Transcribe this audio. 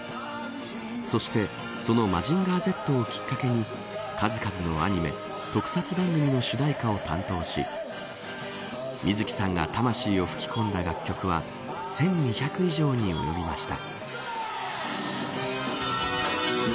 そして、そのマジンガーＺをきっかけに数々のアニメ、特撮番組の主題歌を担当し水木さんが魂を吹き込んだ楽曲は１２００以上に及びました。